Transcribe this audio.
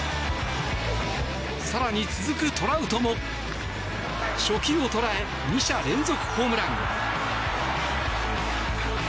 更に、続くトラウトも初球を捉え２者連続ホームラン。